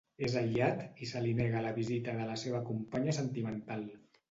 És aïllat i se li nega la visita de la seva companya sentimental.